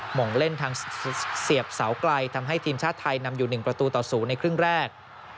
งงเล่นทางเสียบเสาไกลทำให้ทีมชาติไทยนำอยู่๑ประตูต่อ๐ในครึ่งแรก